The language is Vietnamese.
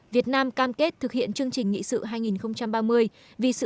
việt nam cam kết thực hiện chương trình nghị sự hai nghìn ba mươi